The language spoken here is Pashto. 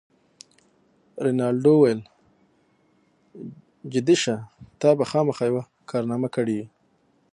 رینالډي وویل: جدي شه، تا به خامخا یوه کارنامه کړې وي.